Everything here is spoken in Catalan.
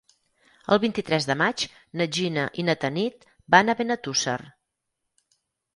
El vint-i-tres de maig na Gina i na Tanit van a Benetússer.